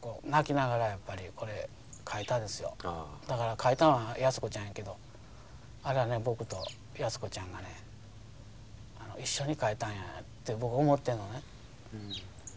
書いたのは安子ちゃんやけどあれは僕と安子ちゃんが一緒に書いたんやと僕思ってんのね。